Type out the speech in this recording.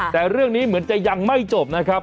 แต่เรื่องนี้เหมือนจะยังไม่จบนะครับ